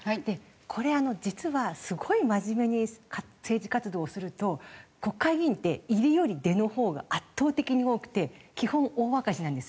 これ実はすごい真面目に政治活動をすると国会議員って入りより出のほうが圧倒的に多くて基本大赤字なんです。